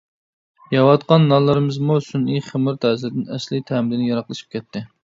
يەۋاتقان نانلىرىمىزمۇ سۈنئىي خېمىر تەسىرىدىن ئەسلىي تەمىدىن يىراقلىشىپ كەتتى.